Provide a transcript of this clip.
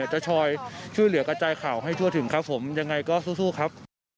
จะคอยช่วยเหลือกระจายข่าวให้ทั่วถึงครับผมยังไงก็สู้ครับ